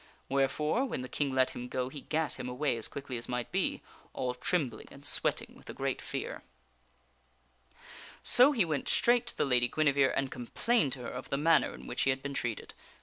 Wherefore, when the King let him go he gat him away as quickly as might be, all trembling and sweating with a great fear. So he went straight to the Lady Guinevere and complained to her of ii 4 THE WINNING OF A QUEEN the manner in which he had been treated.